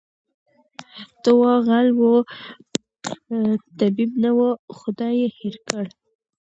ته وا غل وو طبیب نه وو خدای ېې هېر کړ